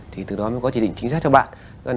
thì từ đó mới có chỉ định chính xác cho bạn